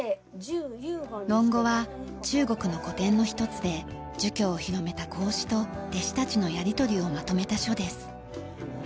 『論語』は中国の古典の一つで儒教を広めた孔子と弟子たちのやり取りをまとめた書です。